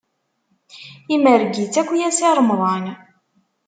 Imerreg-itt akya Si Remḍan.